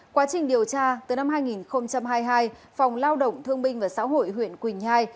quá trình điều tra từ năm hai nghìn hai mươi hai phòng lao động thương binh và xã hội huyện quỳnh nhai